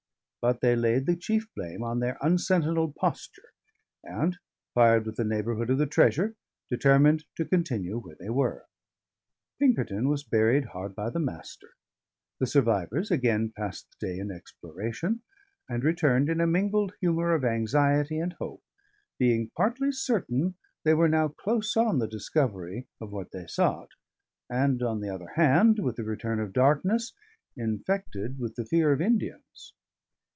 But they laid the chief blame on their unsentinelled posture; and, fired with the neighbourhood of the treasure, determined to continue where they were. Pinkerton was buried hard by the Master; the survivors again passed the day in exploration, and returned in a mingled humour of anxiety and hope, being partly certain they were now close on the discovery of what they sought, and on the other hand (with the return of darkness) infected with the fear of Indians.